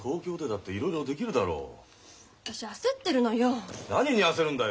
私焦ってるのよ。